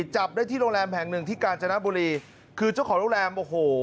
จับได้ที่โรงแรมแห่งหนึ่งที่กาญจนบุรีคือเจ้าของโรงแรมโอ้โห